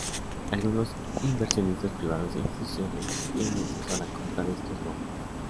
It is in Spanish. Algunos inversionistas privados e institucionales tienen acceso a la compra de estos bonos.